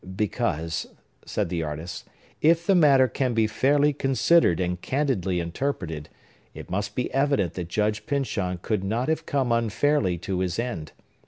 "Because," said the artist, "if the matter can be fairly considered and candidly interpreted, it must be evident that Judge Pyncheon could not have come unfairly to his end.